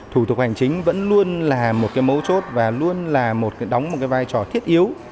thủ tục hành chính vẫn luôn là một mấu chốt và luôn đóng một vai trò thiết yếu